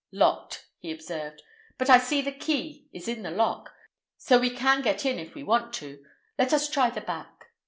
"Locked," he observed, "but I see the key is in the lock, so we can get in if we want to. Let us try the back."